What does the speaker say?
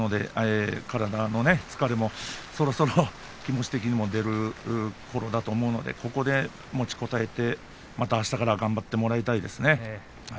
体の疲れもそろそろ気持ち的にも出るころだと思うので、ここで持ちこたえて、またあしたから頑張ってもらいたいですね。